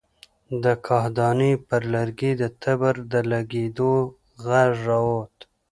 له کاهدانې پر لرګي د تبر د لګېدو غږ را ووت.